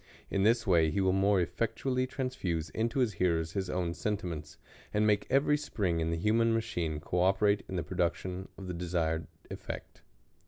In this way he will more elTectually transfuse into his hearers his own sentiments, and make every spring in the human machine co operate in the production of the desired effect.